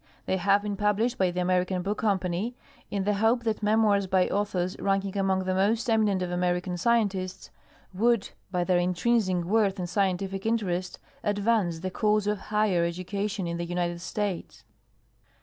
They have been published by the American Book Company in the hope that memoirs by authors ranking among the most eminent of American scien tists would by their intrinsic worth and scientific interest advance the cause of higher education in the United States.